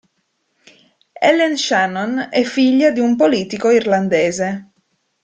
Ellen Shannon è figlia di un politico irlandese.